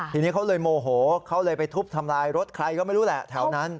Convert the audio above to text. ทีนี้เขาเลยโมโหเขาเลยไปทุบทำลายรถใครก็ไม่รู้แหละแถวนั้น